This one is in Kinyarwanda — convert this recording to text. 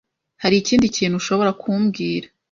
Hari ikindi kintu ushobora kumbwira?